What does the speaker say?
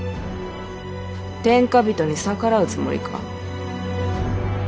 天下人に逆らうつもりか。